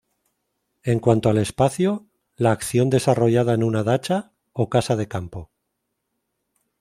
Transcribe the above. En cuanto al espacio, la acción desarrollada en una "dacha," o casa de campo.